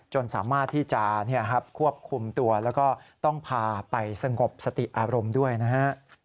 สามารถที่จะควบคุมตัวแล้วก็ต้องพาไปสงบสติอารมณ์ด้วยนะฮะ